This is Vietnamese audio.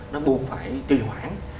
nó buộc phải trì hoãn